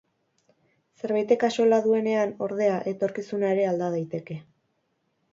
Zerbaitek axola duenean, ordea, etorkizuna ere alda daiteke.